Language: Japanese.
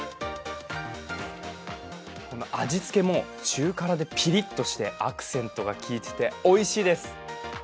味付けも中辛でぴりっとしてアクセントがきいてて、おいしいです！